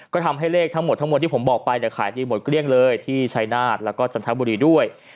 ก็ทำให้เลขทั้งหมดทั้งหมดที่ผมบอกไปเนี่ยขายดีหมดเกลี้ยงเลยที่ชายนาฏแล้วก็จันทบุรีด้วย